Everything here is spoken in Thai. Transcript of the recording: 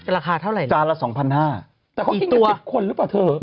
ราคาเท่าไหร่นะจานละสองพันห้าแต่เขากินตัวสิบคนหรือเปล่าเธอ